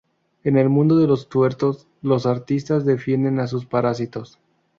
En el mundo de los tuertos, los artistas defienden a sus parásitos